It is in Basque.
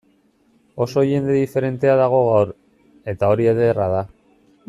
Oso jende diferentea dago gaur, eta hori ederra da.